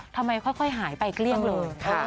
ทำไมค่อยหายไปเกลี้ยงเลย